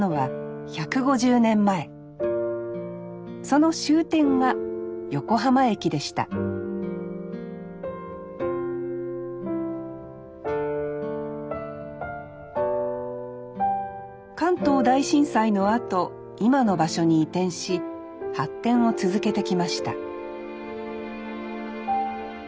その終点が横浜駅でした関東大震災のあと今の場所に移転し発展を続けてきました